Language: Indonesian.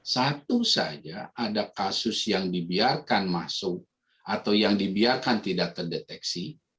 satu saja ada kasus yang dibiarkan masuk atau yang dibiarkan tidak terdeteksi